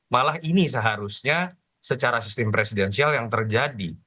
malah ini seharusnya secara sistem presidensial yang terjadi